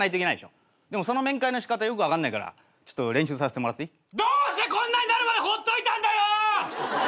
でもその面会の仕方よく分かんないからちょっと練習させてもらっていい？どうしてこんなになるまでほっといたんだよ！